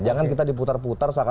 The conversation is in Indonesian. jangan kita diputar putar seakan akan